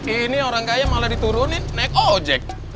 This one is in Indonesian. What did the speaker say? ini orang kaya malah diturunin naik ojek